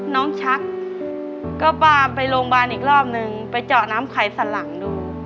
ชักก็พาไปโรงพยาบาลอีกรอบนึงไปเจาะน้ำไข่สันหลังดู